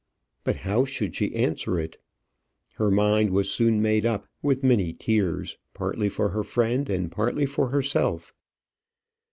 But how should she answer it? Her mind was soon made up, with many tears, partly for her friend and partly for herself.